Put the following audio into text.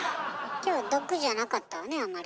今日毒じゃなかったわねあんまり。